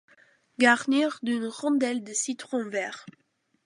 Garnir d'une rondelle de citron vert.